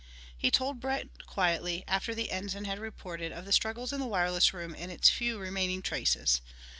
He told Brent quietly, after the ensign had reported, of the struggles in the wireless room and its few remaining traces.